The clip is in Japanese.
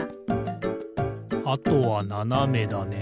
あとはななめだね。